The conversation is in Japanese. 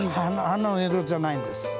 花の色じゃないんです。